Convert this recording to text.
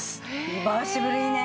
リバーシブルいいね。